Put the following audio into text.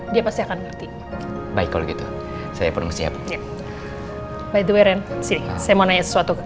dia pasti kaget gua bawa ke sini